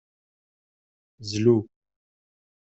Zlu.